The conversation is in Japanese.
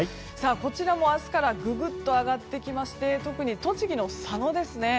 こちらも明日からググっと上がってきまして特に栃木の佐野ですね。